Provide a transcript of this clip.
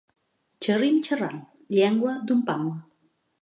Xerrim, xerram, llengua d'un pam.